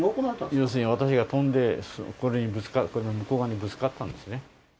要するに私が飛んで、そこに、この向こう側にぶつかったんですね。